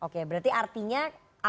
jadi artinya apapun ikut